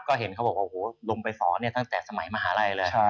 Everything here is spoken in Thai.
พึ่กโมงไปซ้อนถึงสมัยมหาว่า